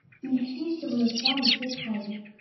Il fut sur le point de se trahir.